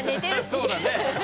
そうだね。